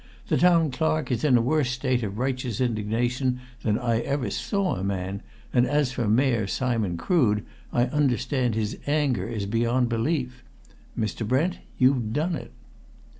The Town Clerk is in a worse state of righteous indignation than I ever saw a man, and as for Mayor Simon Crood, I understand his anger is beyond belief. Mr. Brent, you've done it!"